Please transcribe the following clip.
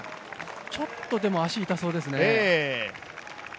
ちょっとでも、足、痛そうですね。